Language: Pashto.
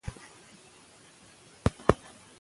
ژوره زده کړه د ټکنالوژۍ په نړۍ کې یو نوی فصل دی.